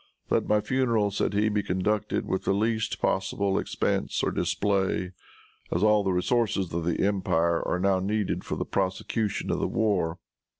"Let my funeral," said he, "be conducted with the least possible expense or display, as all the resources of the empire are now needed for the prosecution of the war."